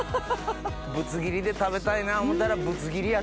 ぶつ切りで食べたいな思うたらぶつ切りやった。